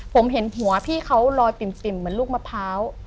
ผมเห็นหัวพี่เขาลอยปิ่มเหมือนลูกมะพร้าว